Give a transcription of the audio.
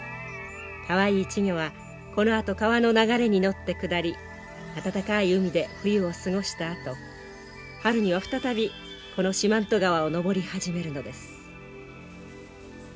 かわいい稚魚はこのあと川の流れに乗って下り暖かい海で冬を過ごしたあと春には再びこの四万十川を上り始めるのです。